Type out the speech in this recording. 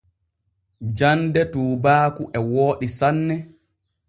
Jande tuubaaku e wooɗi sanne.